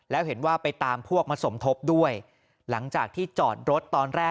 แล้วเห็นว่าไปตามพวกมาสมทบด้วยหลังจากที่จอดรถตอนแรก